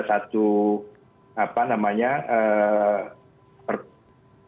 kan ada banking juga